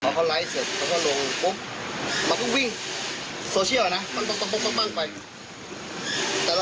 นี่มันไม่ใช่ก็คือมันเป็นเรื่องของโซเชียลล่ะ